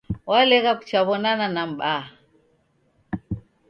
Walegha kuchaw'onana na mbaha.